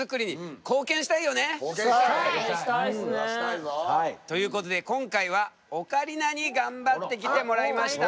貢献したい！ということで今回はオカリナに頑張ってきてもらいました。